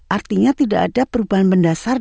artinya tidak ada perubahan mendasar